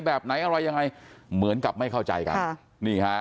แบบไหนอะไรยังไงเหมือนกับไม่เข้าใจกันค่ะนี่ฮะ